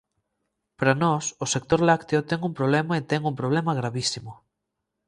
Para nós, o sector lácteo ten un problema e ten un problema gravísimo.